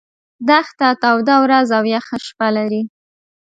دښته توده ورځ او یخه شپه لري.